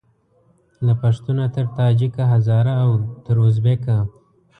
له پښتونه تر تاجیکه هزاره او تر اوزبیکه